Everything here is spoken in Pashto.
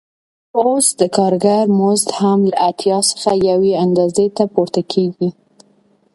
اوس د کارګر مزد هم له اتیا څخه یوې اندازې ته پورته کېږي